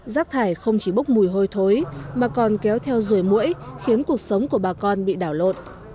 rác thải không chỉ bốc mùi hôi thối mà còn kéo theo rùi mũi khiến cuộc sống của bà con bị đảo lộn